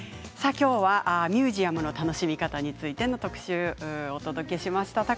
きょうはミュージアムの楽しみ方について特集お届けしました。